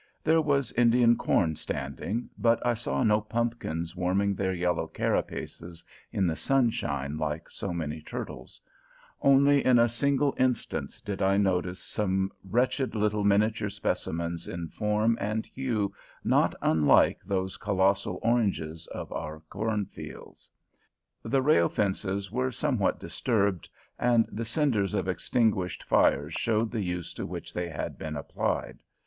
There was Indian corn standing, but I saw no pumpkins warming their yellow carapaces in the sunshine like so many turtles; only in a single instance did I notice some wretched little miniature specimens in form and hue not unlike those colossal oranges of our cornfields. The rail fences were somewhat disturbed, and the cinders of extinguished fires showed the use to which they had been applied.